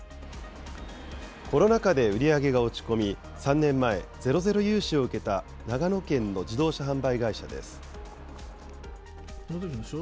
コロナ禍で売り上げが落ち込み、３年前、ゼロゼロ融資を受けた長野県の自動車販売会社です。